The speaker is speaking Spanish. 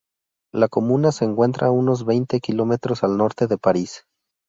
La comuna se encuentra a unos veinte kilómetros al norte de París.